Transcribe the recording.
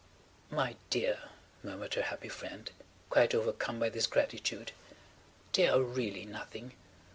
"My dear," murmured her happy friend, quite overcome by this gratitude. "They are really nothing.